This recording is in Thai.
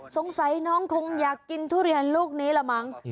สงสัยน้องคงอยากกินทุเรียนลูกนี้ละมั้ง